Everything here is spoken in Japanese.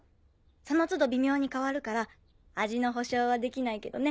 その都度ビミョーに変わるから味の保証はできないけどね。